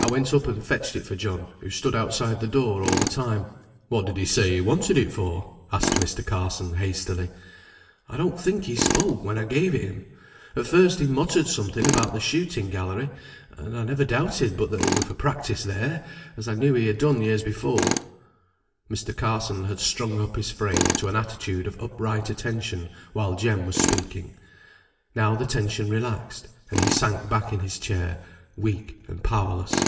I went up and fetched it for John, who stood outside the door all the time." "What did he say he wanted it for?" asked Mr. Carson, hastily. "I don't think he spoke when I gave it him. At first he muttered something about the shooting gallery, and I never doubted but that it were for practice there, as I knew he had done years before." Mr. Carson had strung up his frame to an attitude of upright attention while Jem was speaking; now the tension relaxed, and he sank back in his chair, weak and powerless.